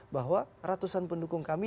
bahwa ratusan pendukung kami